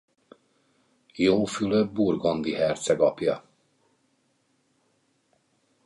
Jó Fülöp burgundi herceg apja.